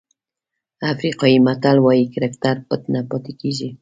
افریقایي متل وایي کرکټر پټ نه پاتې کېږي.